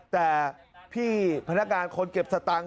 แต่พี่พนักงานคนเก็บสตังค์